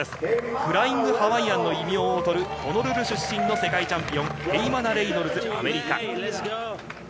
フライングハワイアンの異名を誇るホノルル出身の世界チャンピオン、ヘイマナ・レイノルズ。